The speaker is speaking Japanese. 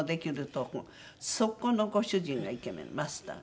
そこのご主人がイケメンマスターが。